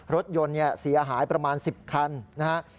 รถยนต์เสียหายประมาณ๑๐คันนะครับ